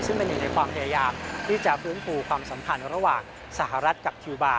ซึ่งเป็นในความพยายามที่จะฟื้นภูมิความสำคัญระหว่างสหรัฐกับคิวบา